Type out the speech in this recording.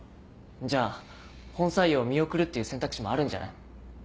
じゃあ本採用見送るっていう選択肢もあるんじゃない？